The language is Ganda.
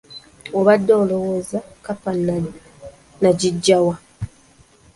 Obadde olowooza kkapa nagiggya wa?